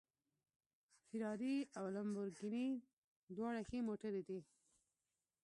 فېراري او لمبورګیني دواړه ښې موټرې دي